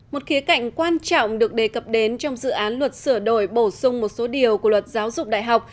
một khía cạnh quan trọng được đề cập đến trong dự án luật sửa đổi bổ sung một số điều của luật giáo dục đại học